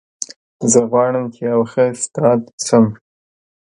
زه غواړم چې یو ښه استاد شم